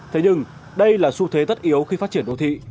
thế nhưng đây là xu thế tất yếu khi phát triển đô thị